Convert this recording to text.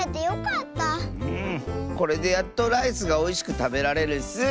これでやっとライスがおいしくたべられるッス。